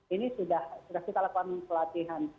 ini sudah kita lakukan pelatihan